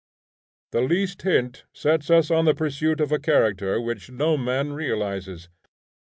The least hint sets us on the pursuit of a character which no man realizes.